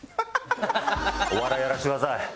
お笑いやらせてください。